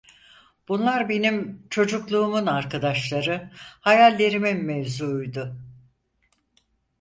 Bunlar benim çocukluğumun arkadaşları, hayallerimin mevzuuydu.